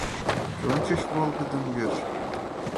Кӧ ончыч волгыдым йӱэш?